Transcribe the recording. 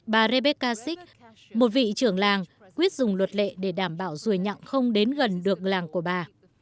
bà rebe casik một vị trưởng làng quyết dùng luật lệ để đảm bảo ruồi nhặng không đến gần được làng của bà